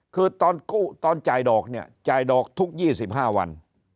คือตอนจ่ายดอกเนี่ยจ่ายดอกทุก๒๕วัน